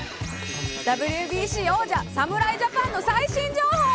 ＷＢＣ王者、侍ジャパンの最新情報。